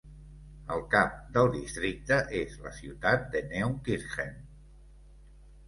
El cap del districte és la ciutat de Neunkirchen.